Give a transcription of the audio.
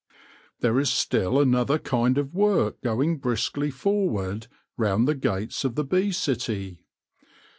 There is still another kind of work going briskly forward round the gates of the bee city.